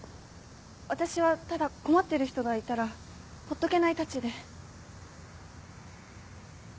私はただ困ってる人がいたらほっとけないたちで。